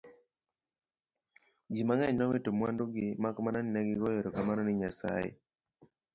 ji mang'eny nowito mwandugi to mak mana ni negigoyo erokamano ni Nyasaye